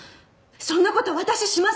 そんな事私しません！